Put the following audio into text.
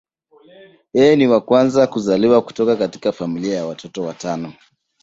Yeye ni wa kwanza kuzaliwa kutoka katika familia ya watoto watano.